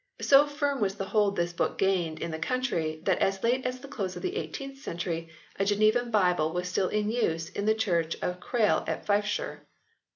So firm was the hold this book gained in the country that as late as the close of the 18th century a Genevan Bible was still in use in the church of Crail in Fifeshire.